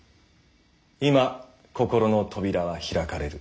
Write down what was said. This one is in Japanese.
今心の扉は開かれる。